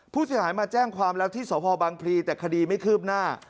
ผู้สิทธิ์หายมาแจ้งความรักที่สหพบังพลีแต่คดีไม่ขืบหน้า